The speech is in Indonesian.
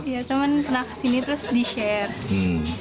ya cuma pernah kesini terus di share